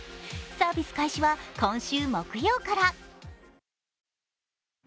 サービス開始は今週木曜から。